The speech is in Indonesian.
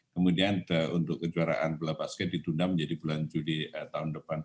kemudian untuk kejuaraan bola basket ditunda menjadi bulan juli tahun depan